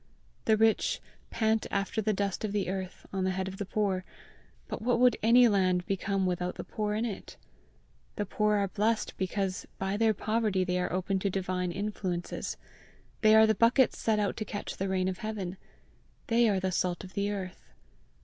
The rich "pant after the dust of the earth on the head of the poor," but what would any land become without the poor in it? The poor are blessed because by their poverty they are open to divine influences; they are the buckets set out to catch the rain of heaven; they are the salt of the earth!